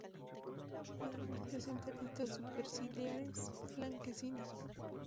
Además presenta listas superciliares blanquecinas.